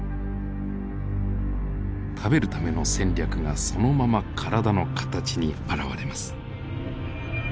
食べるための戦略がそのまま体の形に表れます。